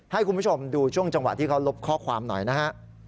ให้คุณผู้ชมดูช่วงจังหวะที่เขาลบข้อความหน่อยนะฮะ